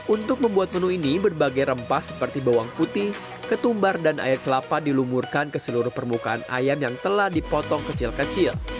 untuk membuat menu ini berbagai rempah seperti bawang putih ketumbar dan air kelapa dilumurkan ke seluruh permukaan ayam yang telah dipotong kecil kecil